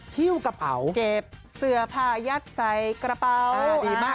ฮิวกระเป๋าเก็บเสือผ่ายักใสกระเป๋า